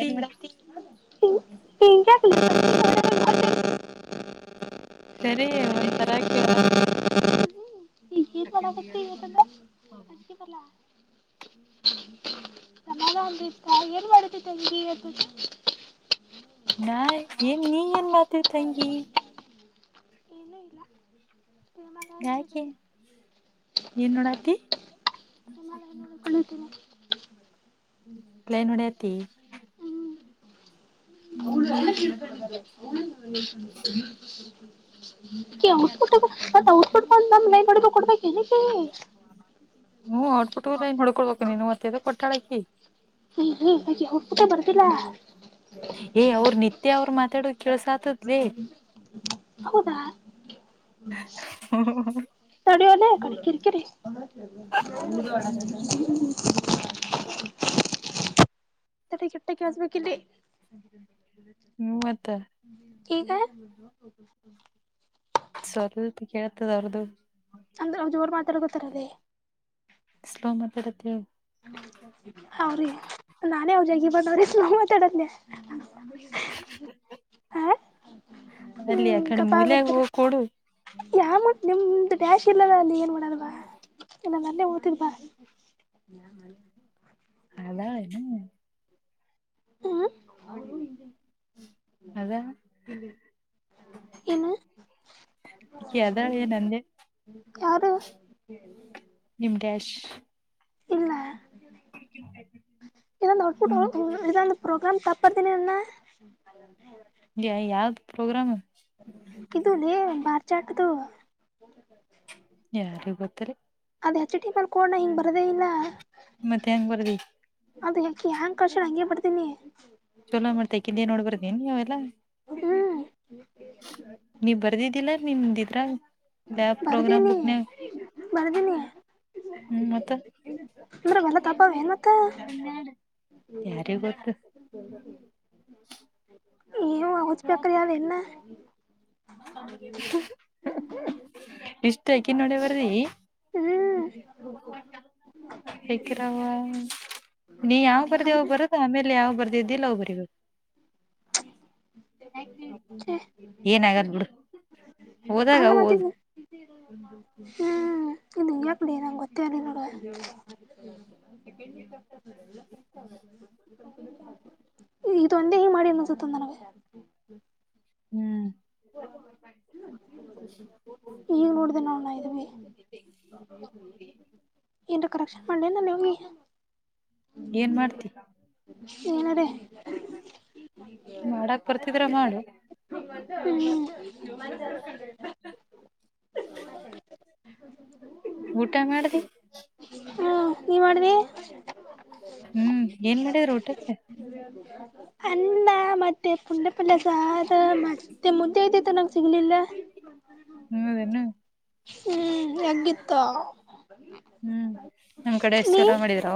ಏನ್ ಮಾಡ [unintelligible] ಸರಿ ಒಂಥರಾ [unintelligible] [unintelligible] [inaudible] [unintelligible] ನಾ ಏನ್ ನೀ ಏನ್ ಮಾಡತ ತಂಗಿ ಇನ್ನೂ ಇಲ್ಲ ಯಾಕೆ [unintelligible] ಏನ್ ನೋಡಾತಿ ಹೇಮಾಲಯ ನೋಡ [unintelligible] ಲೈನ್ ಹೊಡಿಯತಿ ಹ್ಮ್ [unintelligible] [unintelligible] ಹ್ಮ್ ಔಟ್ಪುಟ್ಟ ಲೈನ್ ಹೋಡ್ಕೊಳ್ಬೇಕು ನೀನು ಮತ್ತೆೇದೋ ಕೊಟ್ಟಾಳಕಿ [unintelligible] ಏ ಅವ್ರ ನಿತ್ಯ ಅವ್ರ ಮಾತಾಡೋ ಕೆೇಸ ಆತದ್ಲೇ ಹೌದಾ ಹ ಕಿರಿ ಕಿರಿ [inaudible] ಕೆಟ್ಟಕ್ಕೆ ಹಚ್ಬೇಕಲ್ಲಿ ಮೂವತ್ತ ಕ ಹ ಸದಲ್ ಕೇಳ್ತದ ಅವ್ರದುು ಅಂದ್ರೆ ಅವ ಜೋರ್ ಮಾತಾಡ್ಕೋತಾರದೇ ಇಲಾ ಮತರ್ದ ಹ್ರಿ ನಾನೇ ಅವ ಜಗ ಬಂದವ್ರ ನಾವು ಮಾತಾಡದ್ನೆ ಹ [inaudible] ಅಲ್ಲಿ ಹ್ಮ್ ಯಕಡೆ ಕಪ್ಪ ಮೂಲ್ಾಗ ಆಗ್ಬಿಡ್ತಾರ ಹೋಗ ಕೊಡು ಯಾವ ಮತ್ ನಿಮ್ದ ಡ್ಯಾಶ್ ಇಲ್ಲದ ಅಲ್ಲಿ ಏನ್ ಮಾಡಲ್ವಾ ಇಲ್ಲ ನನ್ನೆ ಊತಿರ್ಬ ಅದಾ ಇ ಹಾ ಅದ ಇನು ಈಕಿ ಅದಾಳ ಏನ್ ಅಂದೆ ಯಾರ ನಿಮ ಡ್ಯಾಶ್ ಇಲ್ಲ ಇದಂದು ಅುಟ್ಟ ಹ್ಮ್ ಇದಂದು ಪ್ರೋಗ್ರಾಮ್ ತಪ್ಪಡ್ತೀನಿನ್ನ ಯಾವ್ದ್ ಪ್ರೋಗ್ರಾಮ್ ಇದುಲ್ಲೇ ಬಾರ ಚಾಟದ ಯಾರಿಗೆ ಗೊತ್ತರಿ ಅದು ಹೆಚ್ ಡಿ ಮಲ್ಲಿ ಕೊಣ ಹಿಂಗ ಬರದೇ ಇಲ್ಲ ಮತ್ತೆ ಹೆಂಗ ಬರ್ದಿ ಅದ ಯಕಿ ಹಂಗ ಕಷಣ ಹಂಗಗೆ ಬಡ್ತೀನಿ ಚಲೋ ಮಾಡ್ತಾ ಕಿದ್ದಿ ನೋಡ್ ಬರ್ದಿನಿ ನೀ ಅವೆಲ್ಲ ಹ್ಮ್ ನೀವ ಬರ್ದಿದ್ದಿಲ್ಲ ನಿಮ್ದಿದ್ರ ಬ್ಯಾ ಪ್ರೋಗ್ರಾಮ ಬರ್ದೀನಿ ಬುಕ್ನ ಬರ್ದೀನಿ ಹ್ಮ್ ಮತ್ತ ಮರ ಗಲ್ಲ ತಪ್ಪಾವ ನುತ್ತ ಯಾರಿಗ್ ಗೊತ್ತು [inaudible] ನೀವು ಹಗಚ್ಬೇಕ್ರ ಅನ್ನ ಇಷ್ಟ ಯಕಿ ನೋಡ ಬರಿ ಹ್ಮ್ ಹಕರಾವ ನೀ ಯಾವ್ ಬರ್ದ ಯ ಬರುದ ಆಮೇಲೆ ಯಾವ ಬರ್ದಿದ್ದಿಿಲ್ಲ ಅವ್ವು ಬರಿೀಬೇಕು ಏನಗಾದ ಬಿಡ ಹೋದಾಗ ಅಲ್ಲ ಹಓದ್ ಮತ್ತೀಗ ಹ್ಮ್ ಇನ್ ಯಾಕ್ಡಿ ನಂಗೆ ಗೊತ್ತೇ್ರ ನೋಡುವ ಸೆಕ ಚ ಎ ಇದು ಒಂದೇ ಹಿಂಗ ಮಾಡಿ ಅನ್ಸುತ್ತನವೇ ಹ್ಮ್ ಈಗ ನೋಡ್ದ ನ ನಾ ಇ [unintelligible] ಕರೆಕ್ಷನ್ ಮಾಡ ನೀಮ್ಗೆ ಏನ್ ಮಾಡ್ತಿ ಏನಾರ ಮಾಡಕ್ ಬರ್ತಿದ್ರ ಮಾಡು ಹ್ಮ್ [unintelligible] ಊಟ ಮಾಡ್ದಿ ಹ ನೀ ಮಾಡಿದಿ ಹ್ಮ್ ಏನ್ ಮಾಡಿದ್ರ ಊಟಕ್ಕೆ ಅಲ್ಲ ಸ ಮತ್ತೆ ಮುಂದೆ ಐತಿತ್ತು ನಂಂಗ ಸಿಗ್ಲಿಲ್ಲ ಹೌದೇನ್ನು ಹ್ಮ್ ಹೆಗಿತ್ತ ಹ್ಮ್ ನಮ್ ಕಡೆ ಎಷ್ಟು ಚಲೋ ಮಾಡಿದ್ರ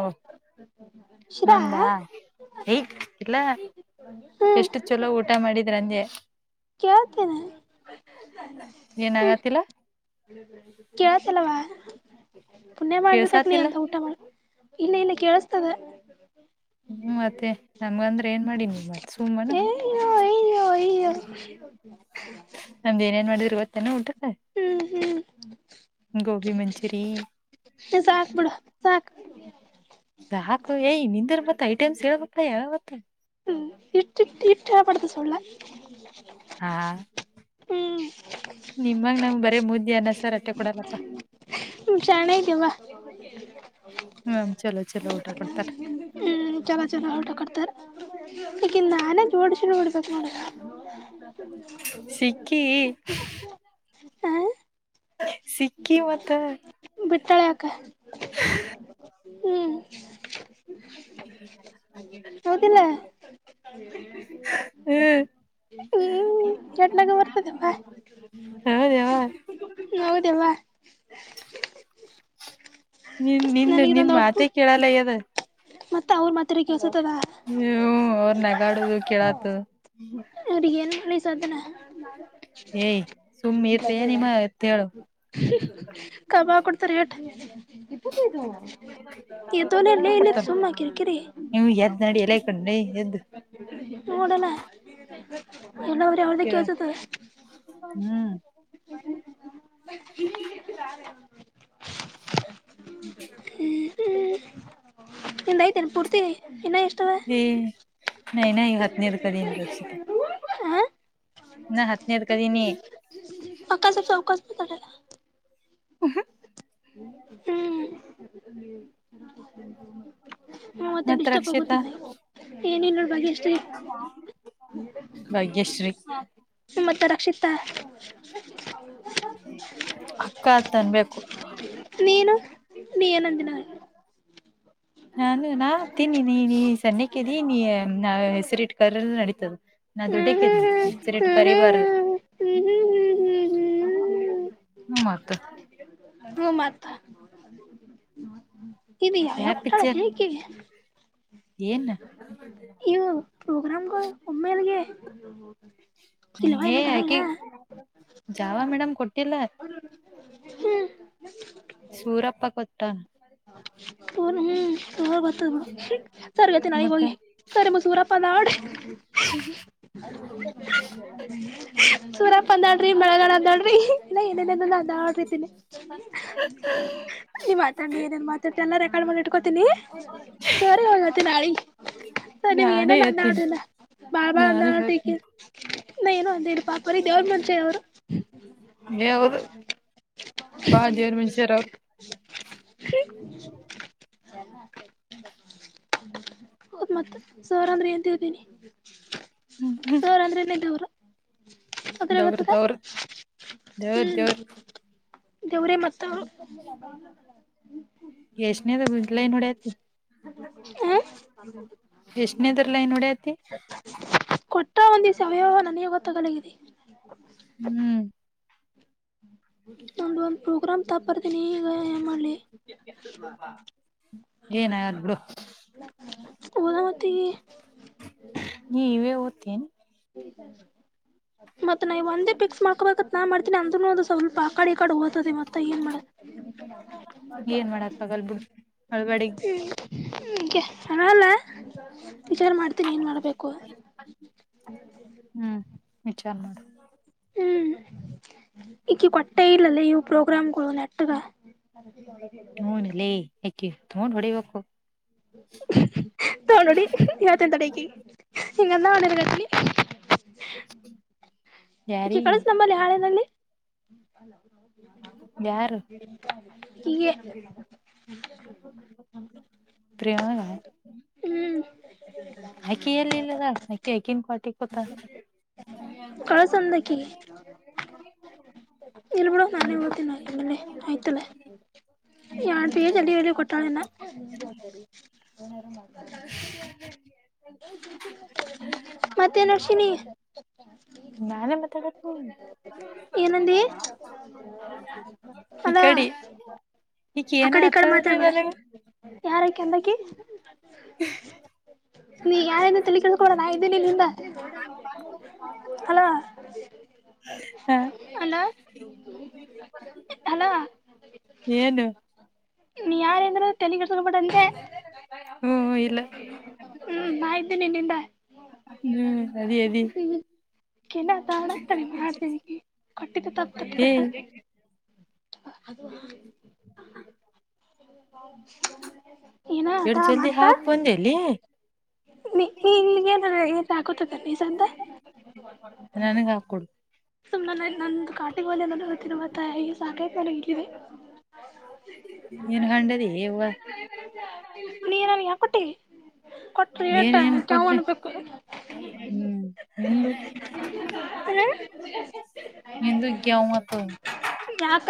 ಶಿರಾ ನಂದ ಏ ಇಲ್ಲ ಎಷ್ಟು ಚೊಲೋ ಊಟ ಮಾಡಿದ ಇದ್ರಂದೆ ಕೇಳ್ತನಾ ಹ್ಮ್ಮ್ ಏನಾಗತಿಲ್ಲ ಕೇಳ್ತಿಲ್ಲವ್ವ ಪುಣ್ಯ ಮಾಡಿರ್ಬೇಕ್ ನಿ ಕೇಳ್ಸಾತಿಲ್ಲ ಅಂತ ಊಟ ಮಾಡ ಇಲ್ಲ ಇಲ್ಲ ಕೇಳಸ್ತದ ಹ್ಮ್ ಮತ್ತೆ ನಮ್ಗ ಅಂದ್ರೆ ಏನ್ ಮಾಡಿನ ಮತ್ ಸುಮ್ಮನ ಹ ನಮ್ದ ಏನೇನ್ ಮಾಡಿದ್ರ [unintelligible] ಗೊತ್ತೇನ ಊಟಕ್ಕ ಹ್ಮ್ ಹ್ಮ್ ಗೋಬಿ ಮಂಚೂರಿ ಸಾಕ್ ಬಿಿಡ ಸಾಕ್ ಸಾಕು ಯ ನಿಂದಿರ್ ಮತ್ ಐಟಮ್ಸ್ ಹೇಳಬೇಕು ಮತ್ತ ಯವ್ ಯಾವ್ ಮತ್ತ ಹ್ಮ ಇಟ್ಟ ಇಟ್ಟಪಡದ ಸಳ್ಳ ಹಾ ಹ್ಮ್ ನಿಮ್ಮಗ್ ನಮ್ ಬರೇ ಮುದ್ದಿ ಅನ್ನಸರ್ ಅತ್ತೆ ಕೊಡಲ್ಲಪ್ಪ ಜಾಣೆ ಇದ್ದಿ ಯವ್ವ ಹ್ಮ ಹ್ಮ ಚಲ ಚಲ ಊಟ ಕೊಟ್ತಾರೆ ಈಕೆ ನಾ [unintelligible] ಬಿಡ್ಬೇಕ ನೋಡ ಆಕ್ಕಿ [unintelligible] ಹ ಸಿಕ್ಕಿ ಮತ್ತೆ ಬಿಟ್ಟಳೆಕ ಹ್ಮ್ ಹ್ಮ [unintelligible] ಹೌದಿಲ್ಲ ಹ್ಮ್ ಚಟ್ನಾಗ ಬರ್ತದೆ ಬ ಹಾ ರವ [unintelligible] ಹೌದ್ ಯವ್ವ ನಿನ್ ನಿನ್ ನನಗ ನಿನ್ ಇನ್ನೊಂದು ಮಾತೆ ಔಟ್ಪುಟ್ ಕೇಳಲ್ಲಯದ ಮತ್ತ ಅವ್ರ ಮಾತ್ರ ಕೆಲ್ಸ್ ಹ ಅವ್ರ ನಗಾಡುದು ಕೇಳಾತ ಅ ನ ಮನಿ ಸಾಾದನೆ ಏಯ್ ಸುಮ್ಮ್ ಇರ್ರಿ ನಿಮ್ಮ ಎತ್ ಹೇಳು ಕಮ ಕುಡ [unintelligible] [unintelligible] ಇದು ಕೊಡ್ತಾನ ಕಿರಿಕಿರಿ ನೀವು ಎದ್ ನಡಿ ಎಲ್ಲ [unintelligible] ನೋಡಣ ಎಲ್ಲವರ ಕೇಳ ಅವದಕ್ಕೆಸದು ಹ್ಮ್ ಹ್ಮ್ [unintelligible] [unintelligible] ನಿ ಐತೆ ಪೂರ್ತಿ ಇನ್ನ ಎಷ್ಟ ಹ ನ ನ ಹತ್ನದ [unintelligible] ಹ ನಾ ಹತ್ತನೇದ ಕದೀನಿ ಮಕಾಸ ಚೌಕಾಸ ನ ತರಲ್ಲ ಹ [unintelligible] ಹ್ಮ್ ಮತ್ತೆ ಮತ್ ಡಿಸ್ಟರ್ಬ್ ರಕ್ಷಿತ ಆಗುತ್ತದ ಏನಿಲ್ಲ ನೋಡ್ ಭಾಗ್ಯಶ್ರೀ ಭಾಗ್ಯಶ್ರೀ ಮತ್ತ ರಕ್ಷಿತ ಅಕ್ಕ, ಅಂತ, ಅನುಬೆಕ್ಕು? [unintelligible] ಹ. [unintelligible] ನಾನು, ನಾ, ತಿನ್ನಿ, ನೀ, ನೀ, ಸಣ್ಣಕ್ಕಿದೀ, ಹೆಸರಿಟ್ಟು ಕರೆದರೂ ನಡೆಯುತ್ತೆ? [unintelligible] ನಾ, ನಾ ದೊಡ್ಡ ಹ್ಮ್ ಹಕ್ಕಿನೀ, ಹೆಸರು ಹಿಡಿದು ಹ್ಮ್ ಹ್ಮ್ ಕರೀಬಾರದು? ಹ್ಮ್ ಹ್ಮ್ ಹ್ಮ್ ಹ್ಮ್ ಹ್ಮ್ ಹ್ಮ್ [unintelligible] ಹ್ಮ್ ಹ್ಮ್ ಹ್ಮ, ಮತ್ತೆ. [unintelligible] ಹ್ಮ್ ಹ್ಮ್ ಮತ್ತ ಇದು ಯ, ಯಾವ್ಯಾವ ಕೊಟ್ಟಾಳಕ್ಕೆ ಪಿಕ್ಚರ್. ಈಕಿಗೆ [unintelligible] ಏನ್? [unintelligible] ಇವು ಪ್ರೋಗ್ರಾಮ್ಗಳು ಒಮ್ಮೆಲ್ಗೆ ಇಲ್ವಾ ಎಂಗೆ, ಏನೋ ಯಾಕೆ ತಳಗಿನ ಜಾವ ಮೇಡಮ್ ಕೊಟ್ಟಿಲ್ಲ? [unintelligible] ಹ್ಞೂ ಸೂರಪ್ಪ, ಕೊಟ್ಟ? [unintelligible] ಸರಿಯವತ್ಹುಗಿ, ಮತ್ತ ಹೋಗಿ ಸರಿ! ಮಸೂರಪ್ಪ ನೋಡಿ? [unintelligible] ಒಂದು. [unintelligible] ಸೂರಪ, ನೋಡ್ರಿ, ಮಳೆಗಾಲ ನೋಡ್ರಿ, ಇಲ್ಲ ಏನೇನ, ವಧ್ಯಡೋರೀತಿಲಿ. [unintelligible] ನೀ, ಮಾತಾಡು, ಏನನ್ ಮಾತಾಡ್ತೀಯ, ಎಲ್ಲಾ ರೆಕಾರ್ಡ್ ಮಾಡಿ. [unintelligible] ತಕೋತೀನಿ, ಸರಿ, ಇವತ್ತು, ನಾಳಿ. [unintelligible] ಸರಿ, ನಾನೇ ನೀನುಯೇನು, ಹೇಳ್ತೀನಿ ನೋಡಿಲ್ಲ, ಬಾಬಾ ಹಂದ ನಾನೇ ಟೀಕೆ, ಹೇಳ್ತೀನಿ ನಾ ಏನು ಅಂದಿಲ್ಲ? [unintelligible] ಬರೀ, ದೇವರು ಎಂದರೆ, ಮುಂಚೆ, ಯಾವೂರು. ಏ ಹೌದು ಬಾಳ ದೇವ್ರ [unintelligible] [unintelligible] [inaudible] ಹ್ಮ. [unintelligible] ಎಲ್ಲಾ. [unintelligible] ಹೌದ, ಮತ್ತೆ, ಸಾರ್ ಅಂದ್ರೆ ಏನ್ ತಿಳ್ಕೊಂಡಿ. [unintelligible] ಸಾರ್ ಅಂದ್ರೆನೆ, ದೇವರು. [unintelligible] ಆ ಕಡೆ, ದೇವ್ರ ಬರುತ್ತದ, ದವ್ರ ದೇವ್ರ ಹ್ಮ್ಮ್. ದೇವ್ರ [unintelligible] ದೇವ್ರೇ, ಮತ್ತು. [unintelligible] ಎಸ್ಟಿಯೆನೈದು, ಬಿಗಿಲೆ, ಏನ್ ಮಾಡತಿ. [unintelligible] ಹ. [unintelligible] ಎಷ್ಟನೆದು ಲೈನ್ ಹೊಡೈತಿ. [unintelligible] ತು, ನೀನು, ಸಹಾಯ ನನಗೆ ಬರುತ್ತಾನೆಂಗಿದೆ. [unintelligible] ಹ್ಮ್. [unintelligible] ನಮ್ಧು, ಒಂದ್ ಪ್ರೋಗ್ರಾಮ್ ತ ಬರ್ತನಿ ಈಗ ಏನ್ ಮಾಡ್ಲಿ? [unintelligible] ಏನಾಗಲ್ಲ ಬಿಡು. [unintelligible] ಸ್ಕೂಲ್ ಅವತಿ. [unintelligible] ನೀ ಇವೇ ಓದ್ತೇನ್ [unintelligible] [inaudible] ಮತ್ತತ್ ನ್ ಒಂದೇ ಫಿಕ್ಸ್ ಮಾಡ್ಕೋ ನಾ ಮಾಡ್ತೀನಿ ಅಂದ್ನು ಒಂದು ಸ್ವಲ್ಪ ಆ ಕಾಡಿ ಈಕಾಡಿ, ಹಓದತದೆ ಮತ್ತ ಏನ್ ಮಾಡ. ಏನ್ ಮಾಡಕ್ [unintelligible] ಆಗಲ್ ಬಿಡು ಅಳ್ಬಾಡಿಗ್ ಹ್ಮ್. [unintelligible] ಹಾಂಗೆ,, ಹಾಮಾ ವಿಚಾರ ಮಾಡ್ತೀನಿ! ಏನ್ ಮಾಡ್ಬೇಕು? [unintelligible] ಹ್ಮ್, ವಿಚಾರ, ಮಾಡು. [unintelligible] ಹ್ಮ್, ಇಕ್ಕಿ, ಕೊಟ್ಟೆ ಇಲ್ಲಲೇ ಪ್ರೋಗ್ರಾಮ್ ಕೊಡು, ನೆಟ್ಟಗ. [unintelligible] ಹೂನಲ್ಲೇ, ಯಕಿ, ತಕೊಂಡು, ಹೊಡಿಬೇಕು? [unintelligible] ತಗೊಂಡು ಹೊಡಿ ಯಾಕೆ, ತಡಕ್ಕಿ. [unintelligible] ಸಿಗಲ್ಲ, ನಿನ್ನ ಗೆಳತಿ? [unintelligible] [unintelligible] [inaudible] ಇಕ್ಕಿ, ಯಾರಿಗಿ ಕಲ್ಷುರಮ್ಮ, ಯಾರಾದರೂ ಅಲ್ಲಿ. ಯಾರು [unintelligible] [unintelligible] [inaudible] ಪ್ರೇಮನಾ. [unintelligible] ಹ್ಮ್ ಅಕ್ಕಿ, ಎಲ್ಲಿ, ಇಲ್ವಾ, ಅಕ್ಕಿ, ಆಕಿನ್ನೂ, ಪಾರ್ಟಿ ಕೊಟ್ಟಳು. [unintelligible] ತಧ್ಯಾಕಿ. [unintelligible] ಇರಬೇಕು, ಅಲ್ಲಿ, ಹ್ಮ್ ನಾನೇ, ಬರ್ತೀನಿ! ಅಲ್ಲೀ, ಆಯ್ತುಅಲ್ಲೈ. [unintelligible] ಯಾ, ಪೇಜ್, ಎಲ್ಲಿ ಎಲ್ಲಿ ಕೊಟ್ಟವಳ ಹೆಣ್ಣ, ನಿನ್ಗೆ ಯಾಕ್ವಧು, ಏನೋ, ಮಾಡಲಿ. [unintelligible] ಮತ್ತೆನು, ನರ್ಶಿನಿ! [unintelligible] ನಾನೇ, ಮಾತುಡುಬೆಕ್ಕು?, ಏ, ಏನಂದಿ ಸಪೀಗೀಧಿ. [unintelligible] ಈ ಅಲ್ಲ ಕಡಿ. ಈಗ ಆ ಏನ ಕಡೆ ಈ ಕಡೆ ಆತದೆ ಮಾತಾಡ್ಬೇಡ ನನಗೆ. ಯಾರಕಿ ಅಂದಕಿ ನೀ ಯಾರಿಂದ ತಲ್ಲಿ ಕೆಡಿಸ್ಕೋಬೇಡ ನಾ ಇದ್ದೇನೆ ನಿಂದ. ಹಲೋ ಹ ಅಲೋ ಏನು ನೀ ಯಾರಂದ್ರ ತೆಲಿ ಹ್ಮ್ ಇಲ್ಲ [unintelligible] ನಿನ್ನಿಂದ ಹ್ಮ್ ಅದಿ ಅದಿ ಕೆ ತ ಆಗ್ತ ಮಾಡತ ಕಟ್ಟತ ಏ [unintelligible] ಅದು [unintelligible] ಏನ ಆತ ಎಡ್ ಜಲ್ದಿ ಮತ್ತ. ಹಾಕ್ ಬಂದೆಲ್ಲಿ ನೀ ಏನ ಏನ್ ಹಾಕತದ ನಿಜ ಅಂದ. ನನಗ್ ಆಕ್ ಕೊಡು. ಸುಮ್ನ ನಂದು ಕಾಟಿಗೋಲೆದಲ್ಲಿ ನ ಹೊ ತಿರುವ ತಾಯಾಗಿ ಸಾಕಾಯತಡಗಿದೆ. ಏನ್ ಹಂಡದ ಯವ್ವ. ನೀನನ್ ಯಾ ಕೊಟ್ಟೀ ಕೊಟ್ರಿ ಏಟ ಏನ್ ಏನ್ ಕ್ಯವ್ ಕೊಡ್ಲಿ ಅನ್ಬೇಕು. ಹ್ಮ್ ನಿಂದು ಹೆ ನಿಂದು ಗ್ಯಾವತ್ ಯಾಕ.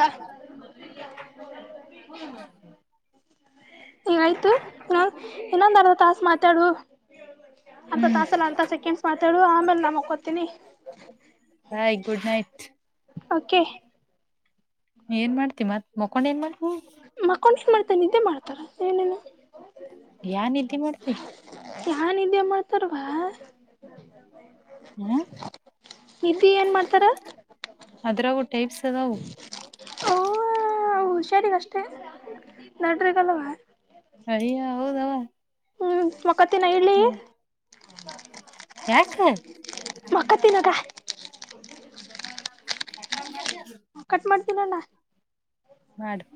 ಈಗಯ್ತು ಇನ್ನೊಂದ್ ಅರ್ದ ತಾಸ್ ಮಾತಾಡು. ಅರ್ದ ಹ್ಮ್ ತಾಸ್ ಅಲ್ಲ ಅರ್ದ ಸೆಕೆಂಡ್ಸ್ ಮಾತಾಡುವ ಆಮೇಲೆ. ನಾ ಮಕ್ಕೋತೀನಿ ಬಾಯ್ ಗುಡ್ ನೈಟ್. ಓಕೆ ಏನ್ ಮಾಡ್ತಿ ಮತ್ ಮಕೊಂಡ್ ಏನ್ ಮಾಡ್- ಮಕ್ಕೊಂಡ ಏನ್ ಮಾಡ್ತಾರೆ ನಿದ್ದೆ ಮಾಡ್ತಾರ ಏನೇನು ಯಾನ್ ನಿದ್ದಿ ಮಾಡ್ತಿ. ಯಾವ್ ನಿದ್ದೀ ಮಾಡ್ತರವ್ವ. ಏನ್ ಎನ ಮಾಡ್ತಾರ ಅದ್ರಾಗೂ ಟೈಪ್ಸ್ ಅದವು. ಸೆರಿಗ ಅಷ್ಟೇ ನಟ್ರಿಗಲ್ವ. ಹಯ ಹೌದವ. ಹ್ಮ್ ಮಕೊತೀನ್ ಹ್ಮ್ [inaudible] ಯಾಕ. ಮಕ್ಕತ್ತಿನಗ [inaudible] ಕಟ್ ಮಾಡ್ತೀನಣ್ಣ ಮಾಡು.